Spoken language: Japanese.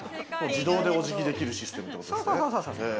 自動でお辞儀できるシステムってことですね。